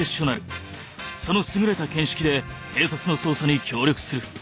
その優れた見識で警察の捜査に協力する